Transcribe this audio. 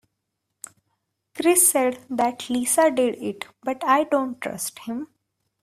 Chris said that Lisa did it but I dont trust him.